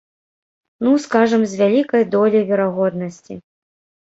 Ну, скажам, з вялікай доляй верагоднасці.